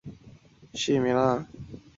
它们都是生产各种军事装备的公司。